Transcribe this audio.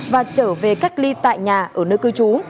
và trở về cách ly tại nhà ở nơi cư trú